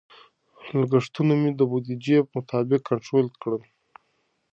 لګښتونه مې د بودیجې مطابق کنټرول کړل.